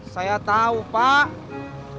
saya tahu pak